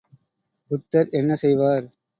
புத்தர் என்ன செய்வார்?